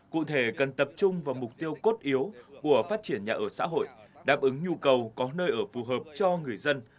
cụ thể cần tập trung vào mục tiêu cốt yếu của phát triển nhà ở xã hội đáp ứng nhu cầu có nơi ở phù hợp cho người dân